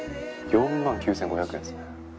４万９５００円ですね。